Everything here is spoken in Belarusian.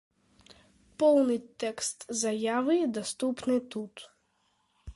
Поўны тэкст заявы даступны тут.